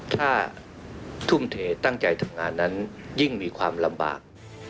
ถ้าทุ่มเทตั้งใจทำงานนั้นยิ่งมีความลำบาก